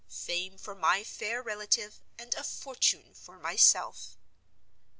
Fame for my fair relative, and a fortune for myself.